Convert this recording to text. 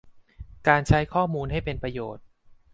การใช้ข้อมูลให้เป็นประโยชน์